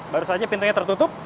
baru saja pintunya tertutup